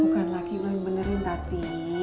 bukan laki laki yang benerin hati